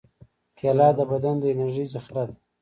کېله د بدن د انرژۍ ذخیره ده.